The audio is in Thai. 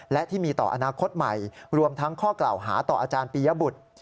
และที่มีต่ออนาคตใหม่รวมทั้งข้อกล่าวหาต่ออาจารย์ปียบุตร